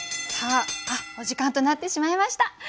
さあお時間となってしまいました。